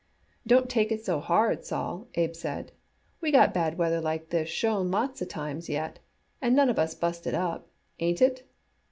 "Don't take it so hard, Sol," Abe said. "We got bad weather like this schon lots of times yet, and none of us busted up. Ain't it?"